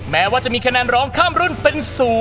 แม้ว่าจะมีคะแนนร้องข้ามรุ่นเป็น๐